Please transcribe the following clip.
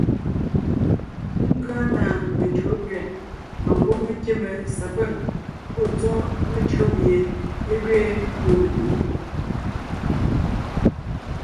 Ngʉa na metÿǒ tẅɛ̀ mbà ngwɔ́ mé kíme sapîŋ pɔ́ tsɔ́ metÿǒ mie é gẅeen tôontǒon.